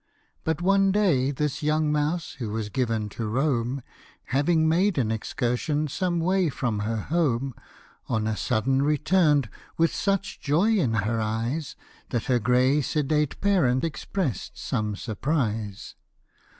But one day this young mouse, who was given to roam, Having made an excursion some way from her home, On a sudden return'd, with such joy in her eyes, That her grey sedate parent express'd some surprise.